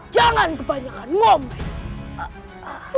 jangan kebanyakan ngomel